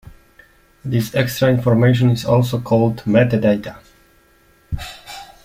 This extra information is also called metadata.